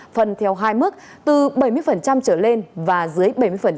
phần theo hai mức từ bảy mươi trở lên và dưới bảy mươi